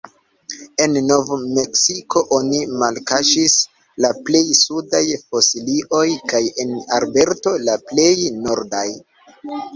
En Nov-Meksiko oni malkaŝis la plej sudaj fosilioj kaj en Alberto la plej nordaj.